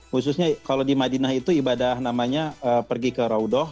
khususnya kalau di madinah itu ibadah namanya pergi ke raudah